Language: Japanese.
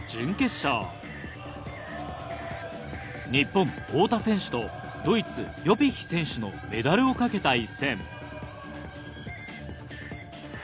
日本太田選手とドイツヨピッヒ選手のメダルを懸けた一戦。